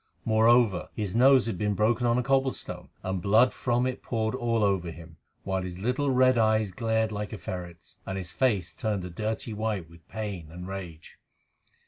Moreover, his nose had been broken on a cobble stone, and blood from it poured all over him, while his little red eyes glared like a ferret's, and his face turned a dirty white with pain and rage.